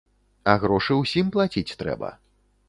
А грошы ўсім плаціць трэба.